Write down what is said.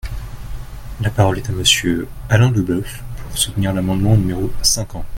La parole est à Monsieur Alain Leboeuf, pour soutenir l’amendement numéro cinquante.